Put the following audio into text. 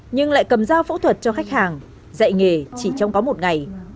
nhưng lại cầm dao phẫu thuật cho khách hàng dạy nghề chỉ trong có một ngày